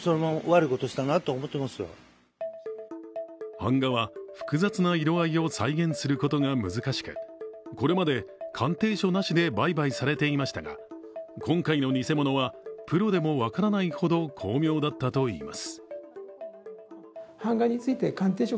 版画は複雑な色合いを再現することが難しくこれまで鑑定書なしで売買されていましたが、今回の偽物は、プロでも分からないほど巧妙だったといいます。